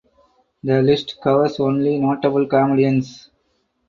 The list covers only notable comedians.